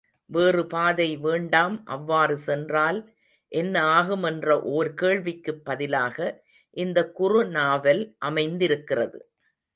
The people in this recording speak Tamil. வேறுபாதை வேண்டாம் அவ்வாறு சென்றால் என்ன ஆகும் என்ற ஓர் கேள்விக்குப் பதிலாக, இந்த குறுநாவல் அமைந்திருக்கிறது.